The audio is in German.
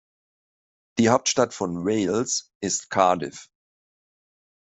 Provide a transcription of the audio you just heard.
Die Hauptstadt von Wales ist Cardiff.